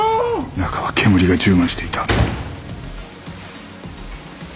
中は煙が充満していた。